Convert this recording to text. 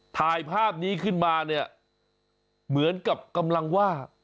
ถ่ายภาพนี้ขึ้นมาเนี่ยเหมือนกับกำลังว่า